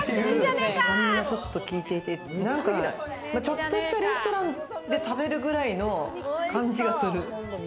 酸味がちょっと効いていて、ちょっとしたレストランで食べるくらいの感じがする。